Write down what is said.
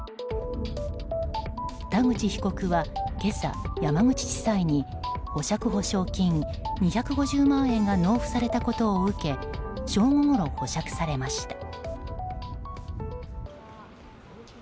田口被告は今朝、山口地裁に保釈保証金２５０万円が納付されたことを受け正午ごろ、保釈されました。